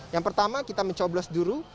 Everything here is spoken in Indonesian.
yang pertama kita mencoblos dulu